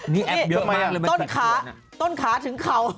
นี้แอบเยอะมากเลยบนที่แสงสัวนต้นขาถึงเข่า